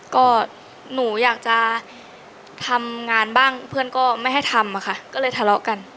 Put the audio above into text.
ก็หนูอยากจะทำงานบ้างเพื่อนก็ไม่ให้ทำอะค่ะก็เลยทะเลาะกัน